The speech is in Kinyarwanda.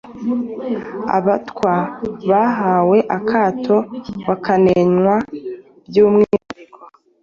Abatwa bahawe akato, bakanenwa by'umwihariko.